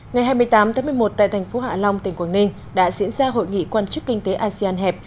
ngày hai mươi tám tháng một mươi một tại thành phố hạ long tỉnh quảng ninh đã diễn ra hội nghị quan chức kinh tế asean hẹp